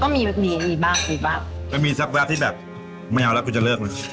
ก็มีราเบิด